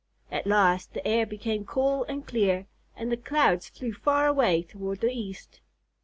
At last the air became cool and clear, and the clouds flew far away toward the east.